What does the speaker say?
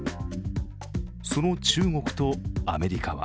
その中国とアメリカは